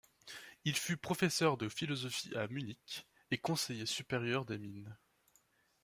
Il fut professeur de philosophie à Munich et conseiller supérieur des mines.